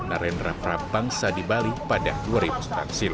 narendra prabangsa di bali pada dua januari